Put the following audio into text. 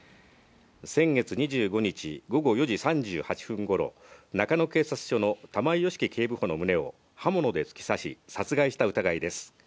先月２５日午後４時３８分ごろ、中野警察署の玉井良樹警部補の胸を刃物で突き刺し、殺害した疑いです。